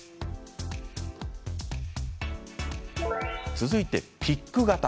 続いてピック型。